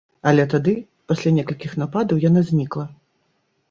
Але тады, пасля некалькіх нападаў, яна знікла.